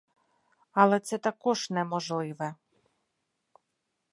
Але це також не можливе.